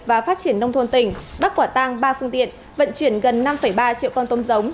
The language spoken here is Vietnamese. và phát triển nông thôn tỉnh bắt quả tang ba phương tiện vận chuyển gần năm ba triệu con tôm giống